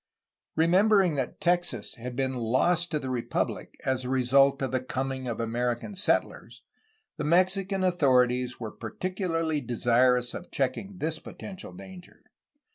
Remembering that Texas had been lost to the republic as a result of the coming of American settlers the Mexican authorities were particu larly desirous of checking this potential danger.